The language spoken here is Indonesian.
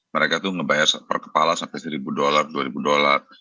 mereka tuh ngebayar per kepala sampai seribu dolar dua ribu dolar